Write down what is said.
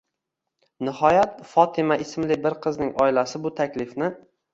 Nihoyat Fotima ismli bir qizning oilasi bu taklifni: